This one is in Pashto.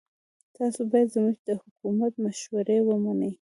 تاسو باید زموږ د حکومت مشورې ومنئ.